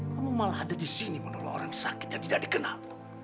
kamu malah ada di sini menolong orang sakit yang tidak dikenal